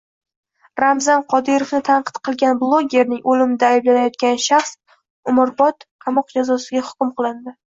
Ramzan Qodirovni tanqid qilgan blogerning o‘limida ayblanayotgan shaxs umrbod qamoq jazosiga hukm qilindi